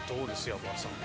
山田さん。